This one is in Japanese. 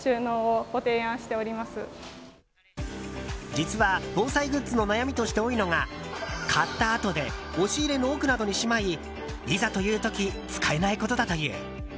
実は、防災グッズの悩みとして多いのが買ったあとで押し入れの奥などにしまいいざという時使えないことだという。